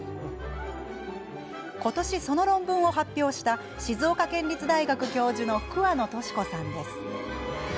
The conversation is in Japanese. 今年、その論文を発表した静岡県立大学教授の桑野稔子さんです。